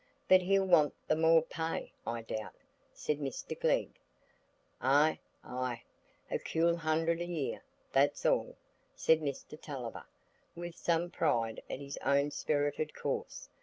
"But he'll want the more pay, I doubt," said Mr Glegg. "Ay, ay, a cool hundred a year, that's all," said Mr Tulliver, with some pride at his own spirited course.